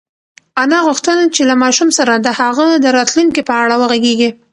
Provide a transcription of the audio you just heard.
انا غوښتل چې له ماشوم سره د هغه د راتلونکي په اړه وغږېږي.